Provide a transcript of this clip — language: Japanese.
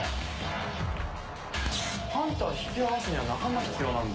ハンター引き剥がすには仲間が必要なんで。